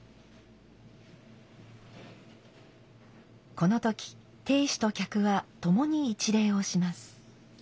この時亭主と客はともに一礼をします。